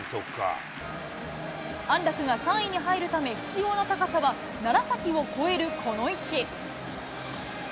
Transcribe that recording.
安楽が３位に入るため必要な高さは、楢崎を超えるこの位置。